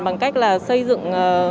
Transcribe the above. bằng cách là xây dựng